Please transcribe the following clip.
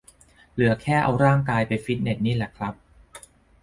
เหลือแค่เอาร่างกายไปฟิตเนสนี่แหละครับ